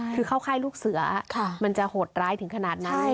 คือเข้าค่ายลูกเสือมันจะโหดร้ายถึงขนาดนั้น